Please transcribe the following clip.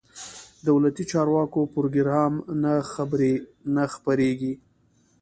دولتي چارواکو پروګرام نه خبرېږو.